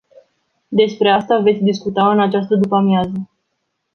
Despre asta veți discuta în această după-amiază.